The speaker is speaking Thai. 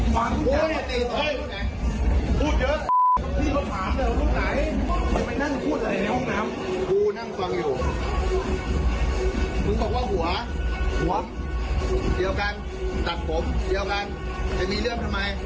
พูดจริงคุณเนี่ยติดตามตลอดใช่ไหมแล้วคุณมีเรื่องจริงไหม